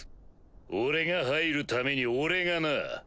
俺が入るために俺がな。